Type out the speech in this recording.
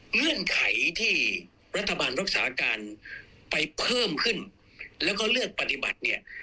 เงื่อนไขที่รัฐบาลรักษาการไปเพิ่มขึ้นแล้วก็เลือกปฏิบัติเนี่ย